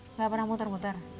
nggak pernah muter putar